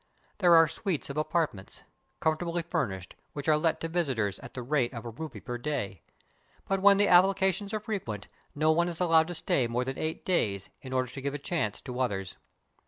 There are suites of apartments, comfortably fur nished, which are let to visitors at the rate of a rupee per day; but when the applications are frequent, no one is allowed to stay more than eight days, in order to give a chance to others.